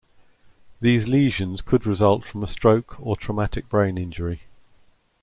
These lesions could result from a stroke or traumatic brain injury.